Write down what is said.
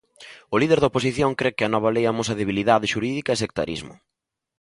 O líder da oposición cre que a nova lei amosa debilidade xurídica e sectarismo.